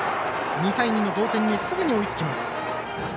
２対２の同点にすぐに追いつきます。